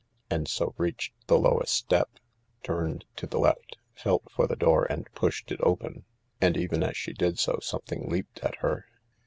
And so reached the lowest step, turned to the left, felt for the door and pushed it open. And, even as she did so, something leaped at her.